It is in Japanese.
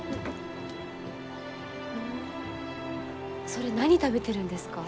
それ何食べてるんですか？